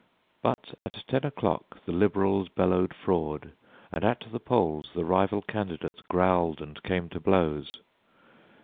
But at ten o'clock The liberals bellowed fraud, and at the polls The rival candidates growled and came to blows.